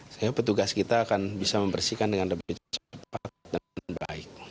sehingga petugas kita akan bisa membersihkan dengan lebih cepat dan baik